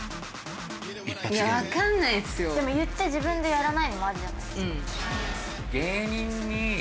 いやわかんないっすよ。でも言って自分でやらないのもありじゃないですか。